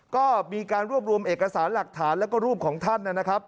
ก็มีการรวบรวมเอกสารหลักฐานแล้วก็รูปของท่านนะครับ